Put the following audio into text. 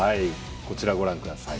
こちらご覧ください。